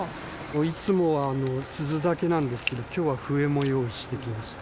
いつもは鈴だけなんですけど、きょうは笛も用意してきました。